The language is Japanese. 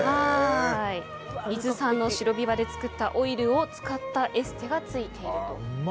伊豆産の白ビワで作ったオイルを使ったエステがついているという。